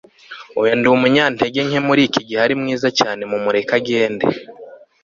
oya ndumunyantege nke muriki gihe arimwiza cyane mumureke agende